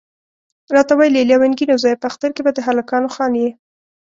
راته ویل یې لونګینه زویه په اختر کې به د هلکانو خان یې.